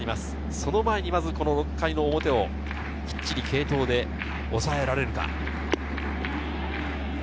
その前にこの回、表をきっちり継投で抑えられるか。